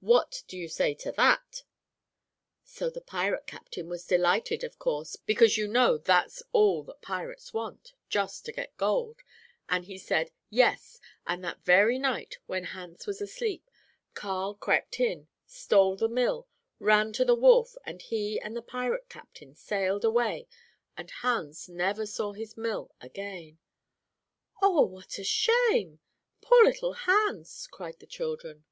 What do you say to that?' "So the pirate captain was delighted, of course, because you know that's all that pirates want, just to get gold, and he said 'Yes,' and that very night, when Hans was asleep, Carl crept in, stole the mill, ran to the wharf, and he and the pirate captain sailed away, and Hans never saw his mill again." "Oh, what a shame! Poor little Hans," cried the children.